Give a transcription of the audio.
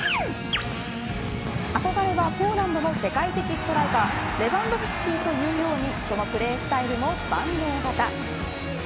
憧れはポーランドの世界的ストライカーレヴァンドフスキというようにそのプレースタイルも万能型。